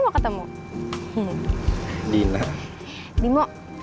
mbah kurima aja sih